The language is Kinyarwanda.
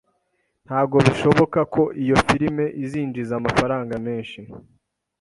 Ntabwo bishoboka ko iyo firime izinjiza amafaranga menshi